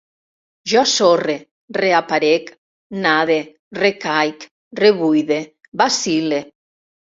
Jo sorre, reaparec, nade, recaic, rebuide, vacil·le